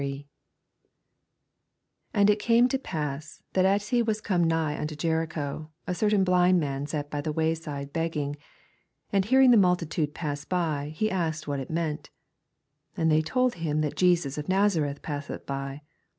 85 And it came to pass, that as he was oome nigh unto Jericho, a certain blind man sat b^ the wayside begging: 86 And heanng the maltitude pass by, he asked what it meant. 87 And they told him, that Jesus of Nazareth passeth by.